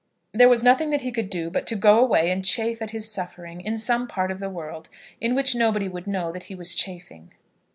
There was nothing that he could do but to go away and chafe at his suffering in some part of the world in which nobody would know that he was chafing.